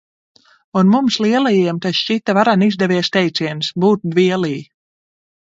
Un mums, lielajiem, tas šķita varen izdevies teiciens – "būt dvielī".